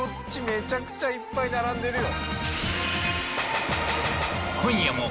めちゃくちゃいっぱい並んでるよ